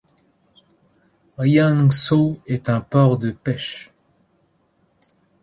Rianxo est un port de pêche.